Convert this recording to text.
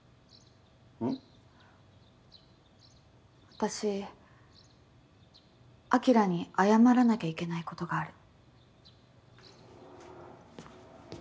私晶に謝らなきゃいけないことがある。